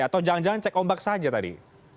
atau jangan jangan cek ombak saja tadi